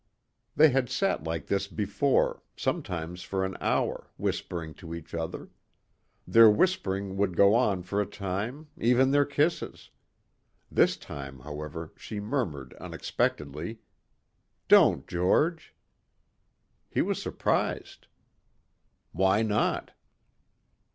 They had sat like this before, sometimes for an hour, whispering to each other. Their whispering would go on for a time, even their kisses. This time, however, she murmured unexpectedly: "Don't, George." He was surprised. "Why not?"